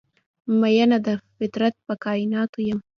میینه د فطرت په کائیناتو یم